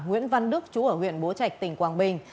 nguyễn văn đức chú ở huyện bố trạch tỉnh quảng bình